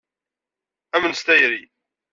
Amen s tayri!